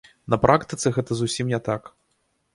На практыцы гэта зусім не так.